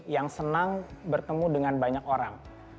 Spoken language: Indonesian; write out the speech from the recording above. yang senang bertemu dengan banyak orang